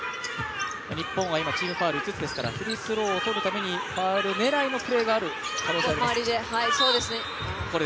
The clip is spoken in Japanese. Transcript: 日本は今チームファウル５つですからフリースローをとるためにファウル狙いのプレーがあるかもしれません。